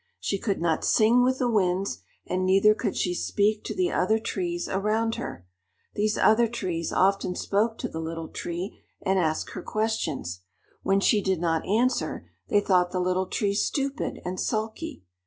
She could not sing with the winds, and neither could she speak to the other trees around her. These other trees often spoke to the Little Tree and asked her questions. When she did not answer, they thought the Little Tree stupid and sulky.